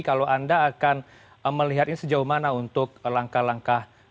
kalau anda akan melihat ini sejauh mana untuk langkah langkah